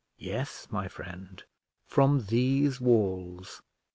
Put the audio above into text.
"Yes, my friend from these walls.